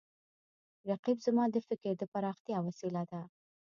رقیب زما د فکر د پراختیا وسیله ده